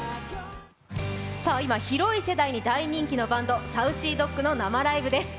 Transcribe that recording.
今、広い世代に大人気のバンドＳａｕｃｙＤｏｇの生ライブです。